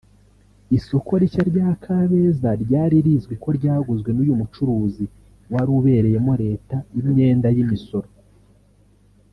Isoko rishya rya Kabeza ryari rizwi ko ryaguzwe n’uyu mucuruzi wari ubereyemo leta imyenda y’imisoro